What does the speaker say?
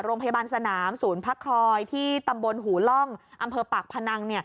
โรงพยาบาลสนามศูนย์พักคอยที่ตำบลหูล่องอำเภอปากพนัง